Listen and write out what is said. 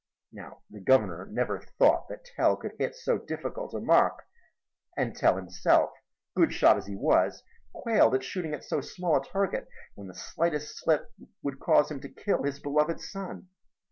Now the Governor never thought that Tell could hit so difficult a mark, and Tell himself, good shot as he was, quailed at shooting at so small a target, when the slightest slip would cause him to kill his beloved son.